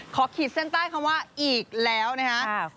ขีดเส้นใต้คำว่าอีกแล้วนะครับ